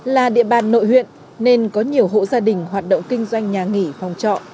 là địa bàn nội huyện nên có nhiều hộ gia đình hoạt động kinh doanh nhà nghỉ phòng trọ